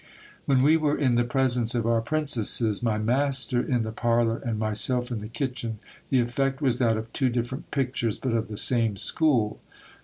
When we were in the presence of our princesses, my master in the parlour and myself in the kitchen, the effect was that of two different pictures, but of the same school.